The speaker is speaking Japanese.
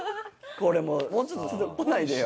これもうちょっと来ないでよ。